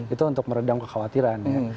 itu untuk meredam kekhawatiran ya